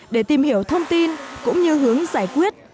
để tìm hiểu thông tin cũng như hướng giải quyết